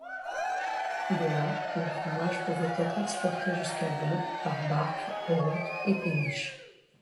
De là, le fromage pouvait être exporté jusqu'à Lyon par barque, route et péniche.